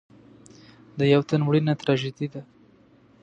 د یو تن مړینه تراژیدي ده.